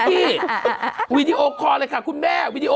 ฺีดีโอคอร์เลยคัะคุณแม่